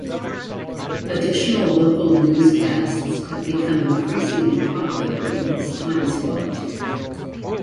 Additional local newscasts have become increasingly popular in this time slot.